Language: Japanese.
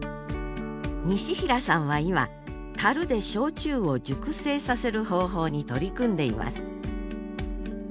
西平さんは今樽で焼酎を熟成させる方法に取り組んでいます